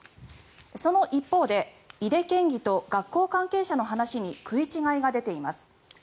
その一方で井手県議と学校関係者の話に食い違いが出ています。